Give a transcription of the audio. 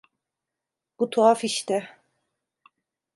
Bu tuhaf işte.